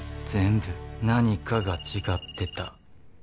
全部何かが違ってた